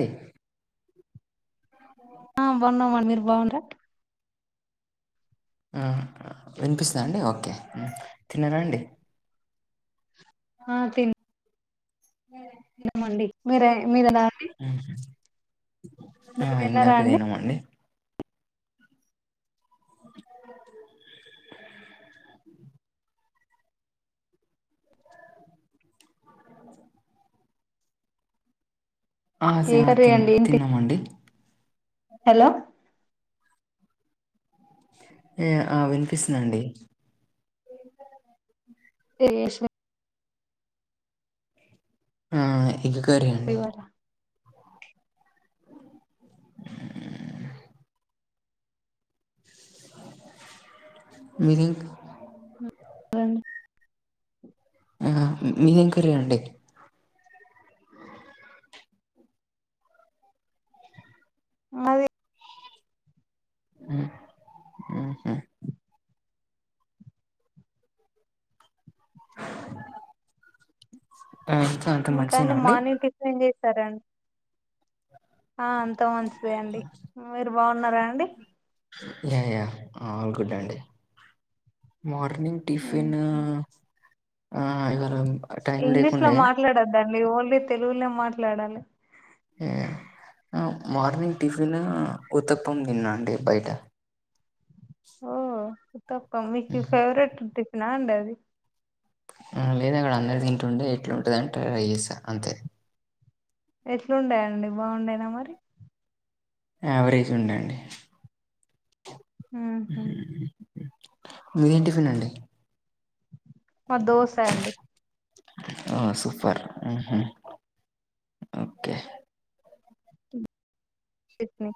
The ఆ బన్నామండి మీరు బాండ్ర ఆ వినిపిస్తద అండి ఓకే తిన్నారా అండి ఆ ఒకే తిన్నామండి మీర మీరలా అండి ఉహు ఆ మీరు తిన్నారా ఇందాకే అండి తినమండి ఆ స ఏ కర్రీ తిన్ అండి ఏంటి తిన్నామండి హలో ఏ ఆ వినిపిస్తుందండి అష్ ఆ ఎగ్ కర్రి అండి మిరింక్ అవును అహ మీదేం కర్రీ అండి అది ఉ ఉ ఆ, అంత ఇంకా అండి మంచిదేనా మార్నింగ్ టిఫిన్ చేసారాండి ఆ అంత మంచిదే అండి మీరు బాగున్నారా అండి యా యా ఆల్ గుడ్ అండి మార్నింగ్ ఉమ్ టిఫిన్ ఆ ఇగ ఇంగ్లీష్ లో మాట్లాడొద్దండి ఓన్లీ తెలుగునే మాట్లాడాలి ఉ మార్నింగ్ టిఫిన్ ఉత్తప్పం తిన్న అండి బయట ఓ మీకి ఫవరెట్ టిఫినా అండి అది లేదు అక్కడ అందరు తింటుంటె ఎట్లుంటుంది అని ట్రై చేశా అంతే ఎట్లుండే అండి బాగుండేనా మరి యావరేజ్ ఉండే అండి ఉహు మీదెం టిఫిన్ అండి? మాద్ దోసా అండి ఆ సూపర్ ఉహు ఓకే ఇట్నే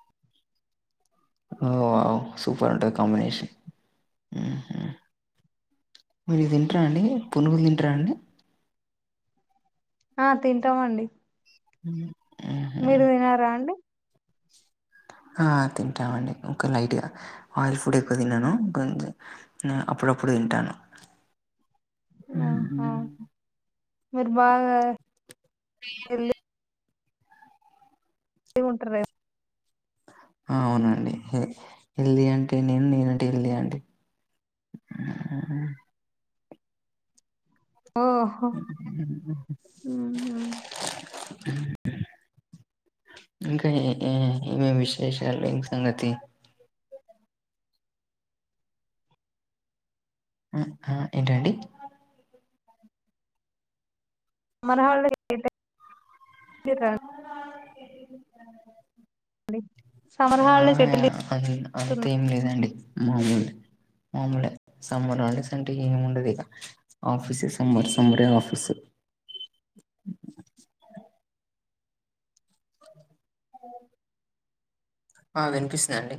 ఓ ఓ సూపర్ ఉంటది కాంబినేషన్ ఉ ఉ మీరు తింటర అండి. పునుగులు తింటర అండి? ఆ తింటామండి హ మీరు తినరా అండి? ఆ తింటామండి ఇంక లైట్గా ఆయిల్ ఫుడ్ ఎక్కువ తినను. కొం అప్పుడు అప్పుడు తింటాను. ఆహ హ్మ్. మీరు బాగా బియ్యం లేదు ఏమింటారు అవునండి ఎల్ది అంటే నేను నేనంటే ఎల్ది అండి ఆ ఓహో లేనట్టే ఉహు ఇంక ఏ ఏ ఏమెమి విశేసాలు ఇంక నతి అ ఆ ఏంటండి? మనహళ్ళ ఇతిత్తే నిర్దా ఏం కాలేదండి సమ్మర్ ఆ హాలిడేస్ ఎటెళ్ళి అ అన్ అంతే ఏం లేదండి మాములే మాములే సమ్మర్ హాలిడేస్ అంటే ఏము ఉండదు ఇక ఆఫీస్ సమ్మర్ సమ్మర్ ఆఫీసు మర్చిపోయా అ ఏ ఆ వినిపిస్తుందండి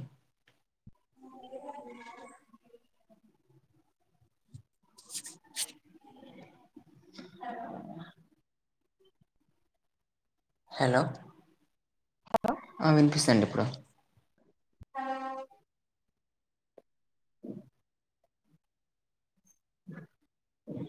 హలో హలో ఆ వినిపిస్తండి ఇప్పుడు హలో అ ఏ